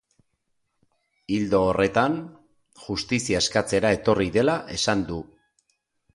Ildo horretan, justizia eskatzera etorri dela esan du.